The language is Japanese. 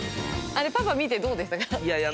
パパ見てどうでしたか？